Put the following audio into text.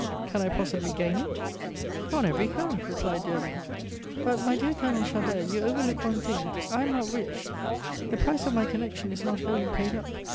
"Can I possibly gain it?" "On every count," replied Derville. "But, my dear Colonel Chabert, you overlook one thing. I am not rich; the price of my connection is not wholly paid up.